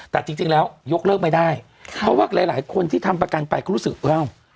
แต่จริงแล้วยกเลิกไม่ได้เพราะว่าหลายหลายคนที่ทำประกันไปก็รู้สึกอ้าว